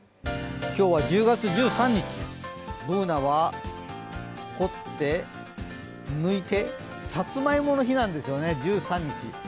今日は１０月１３日Ｂｏｏｎａは、掘って、抜いてさつまいもの日なんですよね、１３日。